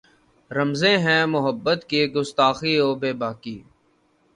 رمزیں ہیں محبت کی گستاخی و بیباکی